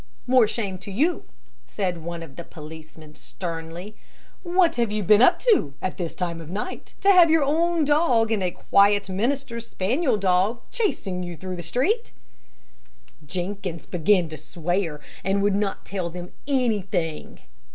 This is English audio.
"More shame to you," said one of the policemen, sternly; "what have you been up to at this time of night, to have your own dog and a quiet minister's spaniel dog a chasing you through the street?" Jenkins began to swear and would not tell them anything.